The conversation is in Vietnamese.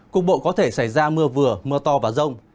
cục bộ có thể xảy ra mưa vừa mưa to và rông